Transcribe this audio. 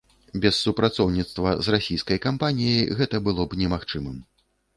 Без супрацоўніцтва з расійскай кампаніяй гэта было б немагчымым.